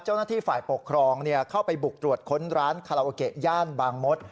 เจ้าหน้าที่ฝ่ายปกครองเข้าไปบุกตรวจค้นร้านคาราโอเกะย่านบางมด